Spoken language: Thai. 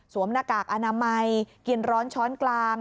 หน้ากากอนามัยกินร้อนช้อนกลาง